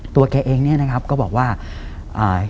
ตัวแกเองเนี่ยนะครับก็บอกว่า